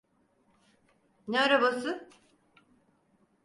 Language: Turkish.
Ne arabası?